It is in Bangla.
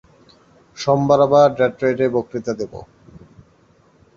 সোমবার আবার ডেট্রয়েটে বক্তৃতা দেব।